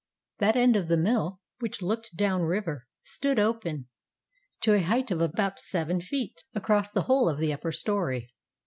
That end of the mill which looked down river stood open, to a height of about seven feet, across the whole of the upper story.